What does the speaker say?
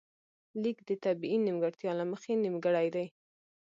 ليک د طبیعي نیمګړتیا له مخې نیمګړی دی